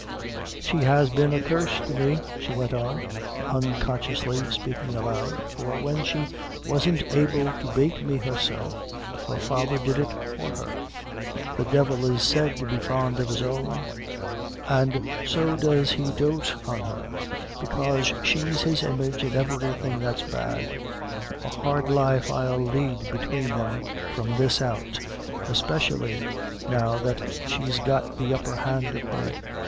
"She has been a curse to me!" she went on, unconsciously speaking aloud; "for when she wasn't able to bate me herself, her father did it for her. The divil is said to be fond of his own; an' so does he dote on her, bekase she's his image in everything that's bad. A hard life I'll lead between them from this out, espeshially now that she's got the upper hand of me.